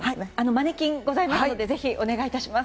マネキンがございますのでぜひお願い致します。